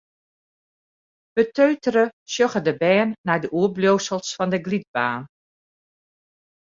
Beteutere sjogge de bern nei de oerbliuwsels fan de glydbaan.